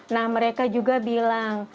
nah mereka juga bilang